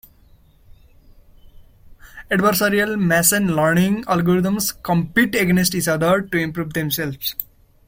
Adversarial machine learning algorithms compete against each other to improve themselves.